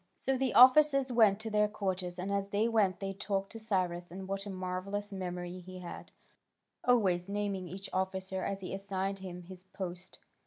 So the officers went to their quarters, and as they went they talked of Cyrus, and what a marvellous memory he had, always naming each officer as he assigned him his post.